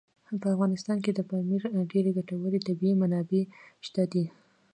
په افغانستان کې د پامیر ډېرې ګټورې طبعي منابع شته دي.